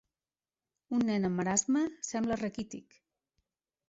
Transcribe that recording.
Un nen amb marasme sembla raquític.